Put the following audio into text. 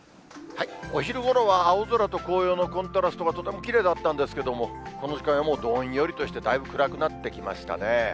お昼ごろは、青空と紅葉のコントラストがとてもきれいだったんですけども、この時間はもうどんよりとして、だいぶ暗くなってきましたね。